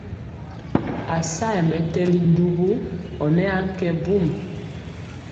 A sayɛ mɛtɛli ndugu ɔ nɛ ankɛ mbum.